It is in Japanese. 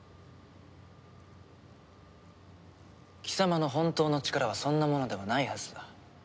貴様の本当の力はそんなものではないはずだ。